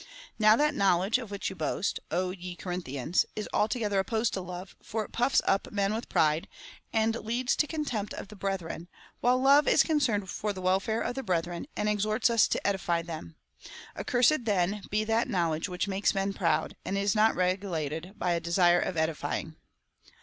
Now that knowledge of which you boast, ye Corinthians, is alto gether opposed to love, for it puffs up men with pride, and leads to contemjjt of the brethren, while love is concerned for the welfare of brethren, and exhorts us to edify them. Accursed, then, be that knowledge which makes men proud, and is not regulated by a desire of edifying."